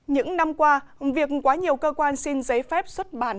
những năm qua việc quá nhiều cơ quan xin giấy phép xuất bản